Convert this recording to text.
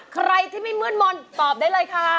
ใครที่ไม่มืดมนต์ตอบได้เลยค่ะ